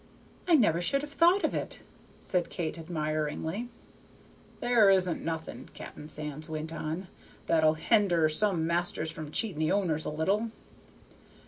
"I never should have thought of it," said Kate, admiringly. "There isn't nothing," Cap'n Sands went on, "that'll hender some masters from cheating the owners a little.